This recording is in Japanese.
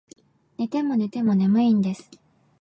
寝ても寝ても眠いんです